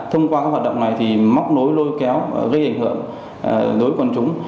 hôm qua các hoạt động này thì móc lối lôi kéo gây ảnh hưởng đối với quần chúng